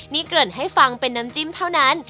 นี่เกริ่นให้ฟังเป็นน้ำจิ้มเท่านั้น